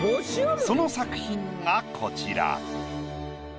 その作品がこちら。